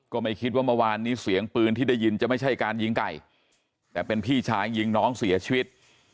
ก็ไม่คิดว่าเมื่อวานนี้เสียงปืนที่ได้ยินจะไม่ใช่การยิงไก่แต่เป็นพี่ชายยิงน้องเสียชีวิต